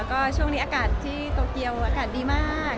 ก็ช่วงนี้อากาศที่โตเกียวอากาศดีมาก